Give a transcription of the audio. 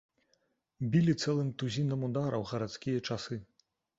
Білі цэлым тузінам удараў гарадскія часы.